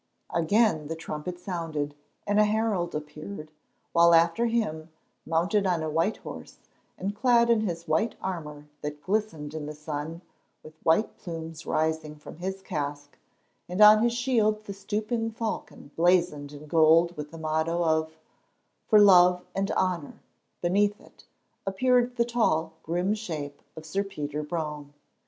Again the trumpets sounded, and a herald appeared, while after him, mounted on a white horse, and clad in his white armour that glistened in the sun, with white plumes rising from his casque, and on his shield the stooping falcon blazoned in gold with the motto of "For love and honour" beneath it, appeared the tall, grim shape of Sir Peter Brome.